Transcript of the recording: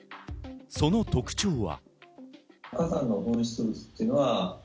その特徴は。